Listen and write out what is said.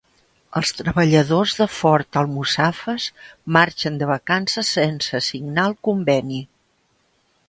Els treballadors de Ford Almussafes marxen de vacances sense signar el conveni